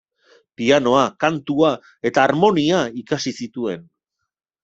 Pianoa, kantua eta harmonia ikasi zituen.